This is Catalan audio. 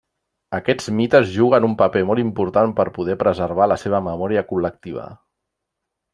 Aquests mites juguen un paper molt important per poder preservar la seva memòria col·lectiva.